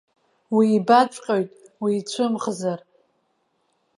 Уибаҵәҟьоит, уицәымӷзар.